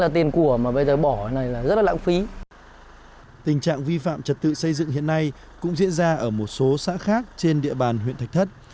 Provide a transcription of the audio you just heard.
tình trạng vi phạm trật tự xây dựng hiện nay cũng diễn ra ở một số xã khác trên địa bàn huyện thạch thất